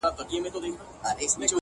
ستـا له خندا سره خبري كـوم؛